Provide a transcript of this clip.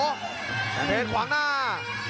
แสนเพชรขวางหน้า